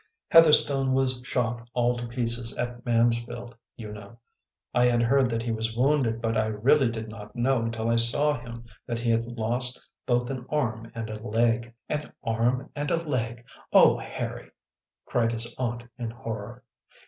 " Heatherstone was shot all to pieces at Mansfield, you know. I had heard that he was wounded but I really did not know until I saw him that he had lost both an arm and a leg." 120 THE PLEASANT WAYS OF ST. MEDARD " An arm and a leg ! Oh, Harry !" cried his aunt in horror.